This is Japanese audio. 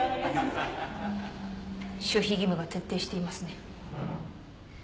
守秘義務が徹底していますね。